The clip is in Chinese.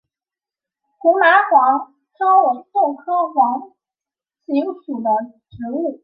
胡麻黄耆为豆科黄芪属的植物。